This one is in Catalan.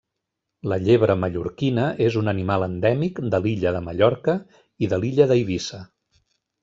La llebre mallorquina és un animal endèmic de l'illa de Mallorca i de l'illa d'Eivissa.